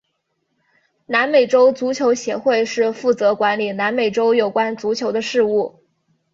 南美洲足球协会是负责管理南美洲有关足球的事务。